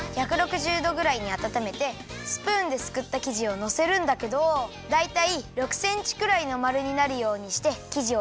１６０どぐらいにあたためてスプーンですくったきじをのせるんだけどだいたい６センチくらいのまるになるようにしてきじをやくよ。